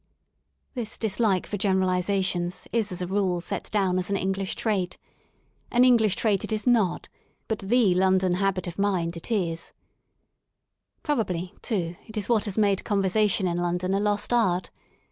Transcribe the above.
This dislike for generalisations is as a rule set down as an English trait. An English trait it is not: but the London habit of mind it is* Probably, too, it is what has made conversation in London a lost art.